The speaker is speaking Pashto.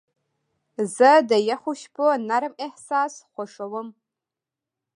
زه د یخو شپو نرم احساس خوښوم.